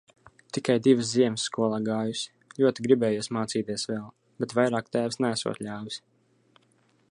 Tikai divas ziemas skolā gājusi. Ļoti gribējies mācīties vēl, bet vairāk tēvs neesot ļāvis.